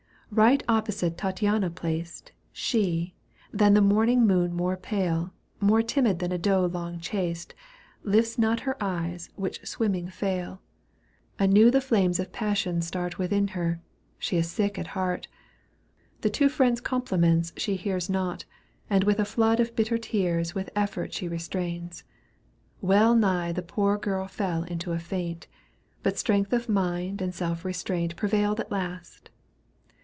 Eight opposite Tattiana placed. She, than the morning moon more pale, More timid than a doe long chased, lifts not her eyes which swimming fail. Digitized by CjOOQ IC CANTO V. EUGENE ON^GUINE. 145 Anew the flames of passion start WitMn her ; she is sick at heart ; The two friends' compliments she hears Not, and a flood of bitter tears With effort she restrains. Well nigh The poor girl fell into a faint, But strength of mind and self restraint Prevailed at last.